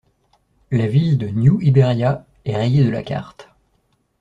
La ville de New-Iberia est rayée de la carte.